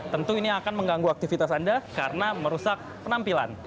tentu ini akan mengganggu aktivitas anda karena merusak penampilan